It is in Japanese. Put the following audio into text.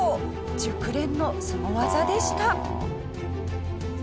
熟練のスゴ技でした。